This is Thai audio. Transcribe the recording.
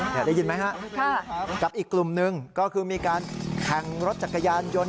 ได้ยินไหมฮะกับอีกกลุ่มหนึ่งก็คือมีการแข่งรถจักรยานยนต์